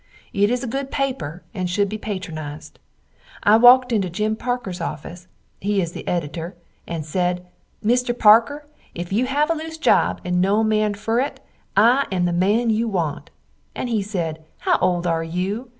It is a good paper and shood be patronized. I wakt into Jim Parkers offis he is the editur and sed, Mister Parker, if you have a loose job and no man fer it I am the man you want, and he sed how old are you?